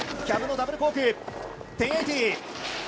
キャブのダブルコーク１０８０。